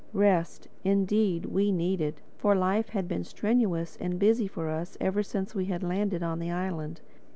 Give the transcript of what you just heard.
Rest, indeed, we needed; for life had been strenuous and busy for us ever since we had landed on the island.